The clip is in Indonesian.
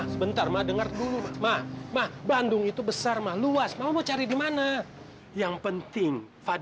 sampai jumpa di video selanjutnya